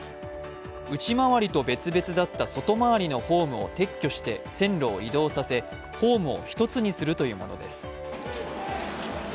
内回りと別々だった外回りのホームを撤去して線路を移動させ、ホームを１つにするというものです。